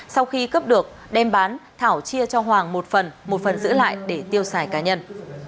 sau khi cấp được đem bán thảo chia cho hoàng một phần một phần giữ lại để tiêu xài cá nhân